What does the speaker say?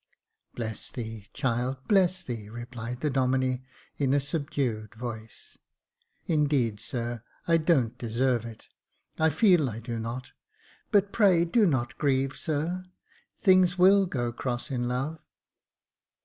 "Bless thee, child — bless thee! " replied the Domine, in a subdued voice. '* Indeed, sir, I don't deserve it — I feel I do not ; but pray do not grieve, sir ; things will go cross in love.